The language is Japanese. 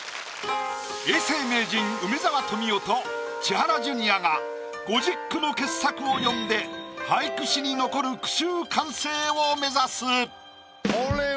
永世名人梅沢富美男と千原ジュニアが５０句の傑作を詠んで俳句史に残る句集完成を目指す。